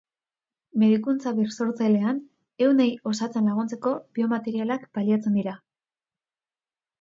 Medikuntza birsortzailean, ehunei osatzen laguntzeko biomaterialak baliatzen dira.